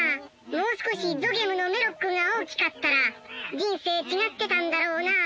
もう少しゾゲムのメロックが大きかったら人生違ってたんだろうなあ。